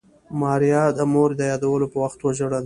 ماريا د مور د يادولو په وخت وژړل.